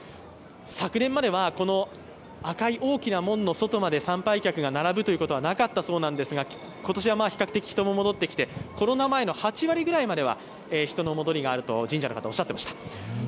昨年まではこの赤い大きな門の外まで参拝客が並ぶことはなかったそうですが今年は比較的、人も戻ってきて、コロナ前の８割ぐらいまでは人の戻りがあると、神社の方おっしゃっていました。